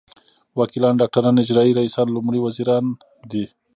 وکیلان ډاکټران اجرايي رییسان لومړي وزیران دي.